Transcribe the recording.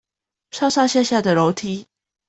上上下下的樓梯